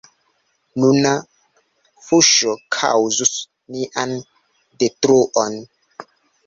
Nuna fuŝo kaŭzus nian detruon.